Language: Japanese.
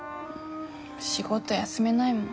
仕事休めないもん。